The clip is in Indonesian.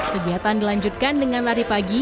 kegiatan dilanjutkan dengan lari pagi